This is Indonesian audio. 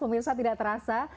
pemirsa tidak terasa